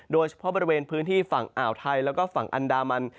โดยเฉพาะบริเวณพื้นที่ฝั่งอ่าวไทยแล้วก็ฝั่งอันดามัน